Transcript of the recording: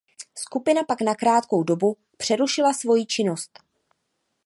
Skupina pak na krátkou dobu přerušila svoji činnost.